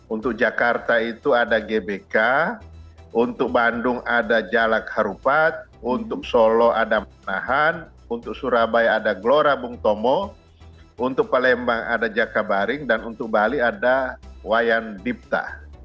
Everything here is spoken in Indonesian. untuk jakarta itu ada gbk untuk bandung ada jalak harupat untuk solo ada menahan untuk surabaya ada gelora bung tomo untuk palembang ada jakabaring dan untuk bali ada wayan dipta